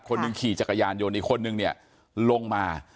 คนหนึ่งขี่จักรยานยนต์อีกคนนึงเนี่ยลงมา